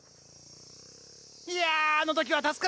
いやあの時は助かったわ！